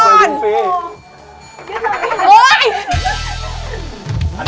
เดี๋ยวจะดูที่เป็น